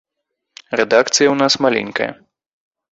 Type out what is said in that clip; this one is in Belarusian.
Рэдакцыя ў нас маленькая.